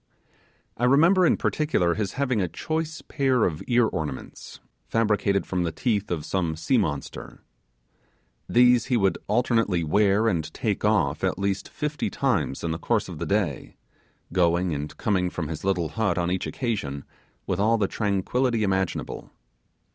I remember in particular his having a choice pair of ear ornaments, fabricated from the teeth of some sea monster. These he would alternately wear and take off at least fifty times in the course of the day, going and coming from his little hut on each occasion with all the tranquillity imaginable.